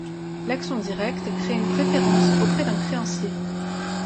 L'action directe crée une préférence auprès d'un créancier.